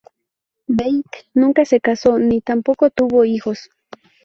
Beit nunca se casó, ni tampoco tuvo hijos.